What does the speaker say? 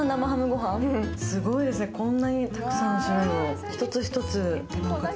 すごいですね、こんなにたくさんの品を一つ一つ手間をかけられて。